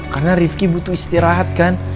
karena rifki butuh istirahat kan